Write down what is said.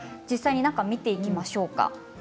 中を見ていきましょうか。